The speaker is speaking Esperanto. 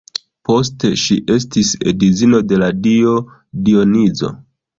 Poste ŝi estis edzino de la dio Dionizo.